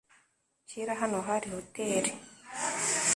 Kera hano hari hoteri.